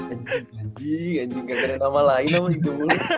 anjing anjing anjing gak ada nama lain apa ini